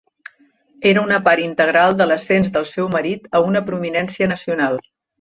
Era una part integral de l'ascens del seu marit a una prominència nacional.